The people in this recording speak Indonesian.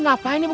nah larin aja